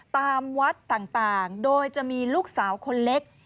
ตามวัดต่างโดยจะมีลูกสาวคนเล็ก